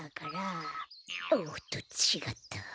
おっとちがった。